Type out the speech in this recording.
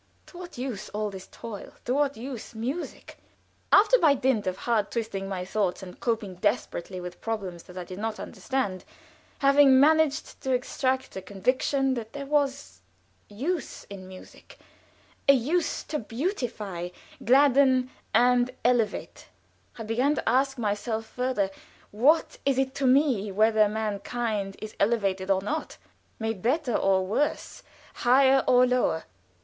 To what use all this toil? To what use music? After by dint of hard twisting my thoughts and coping desperately with problems that I did not understand, having managed to extract a conviction that there was use in music a use to beautify, gladden, and elevate I began to ask myself further, "What is it to me whether mankind is elevated or not? made better or worse? higher or lower?"